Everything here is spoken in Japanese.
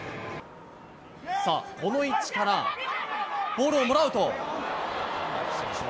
さあ、この位置からボールをもらうと。